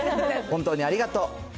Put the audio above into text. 本当にありがとう。